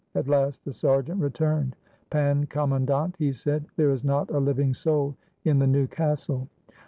At last the sergeant returned. "Pan Commandant," he said, "there is not a living soul in the new castle."